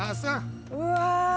うわ。